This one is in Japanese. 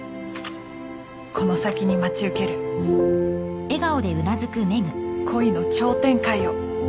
この先に待ち受ける恋の超展開を。